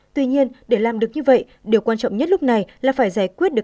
tuy nhiên để làm được như vậy điều quan trọng nhất lúc này là phải giải quyết được